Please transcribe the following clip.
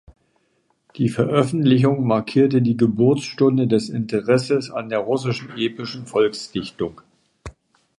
Die Veröffentlichung markierte die Geburtsstunde des Interesses an der russischen epischen Volksdichtung.